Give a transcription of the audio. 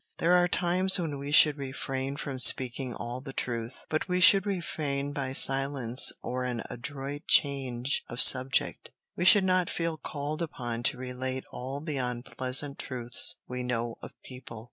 There are times when we should refrain from speaking all the truth, but we should refrain by silence or an adroit change of subject. We should not feel called upon to relate all the unpleasant truths we know of people.